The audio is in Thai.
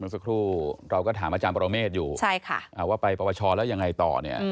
สักครู่เราก็ถามอาจารย์ปรเมฆอยู่ว่าไปปวชแล้วยังไงต่อเนี่ย